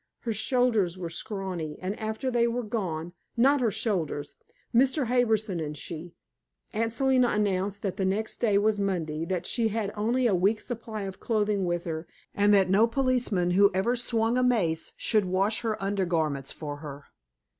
Her shoulders are scrawny. And after they were gone not her shoulders; Mr. Harbison and she Aunt Selina announced that the next day was Monday, that she had only a week's supply of clothing with her, and that no policeman who ever swung a mace should wash her undergarments for her.